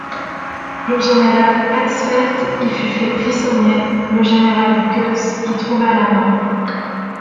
Le général Hatzfeld y fut fait prisonnier, le général Götz y trouva la mort.